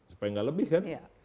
supaya nggak lebih kan